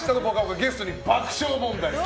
ゲストに爆笑問題。